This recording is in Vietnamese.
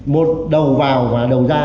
một đầu vào và đầu ra